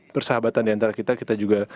persahabatan di antara kita kita juga